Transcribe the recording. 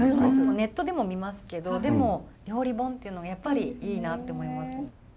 ネットでも見ますけどでも料理本っていうのがやっぱりいいなって思います。